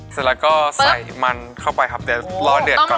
เสร็จแล้วก็ใส่มันเข้าไปครับเดี๋ยวรอเดือดก่อน